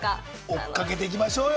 追っかけていきましょうよ！